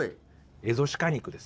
エゾシカ肉です。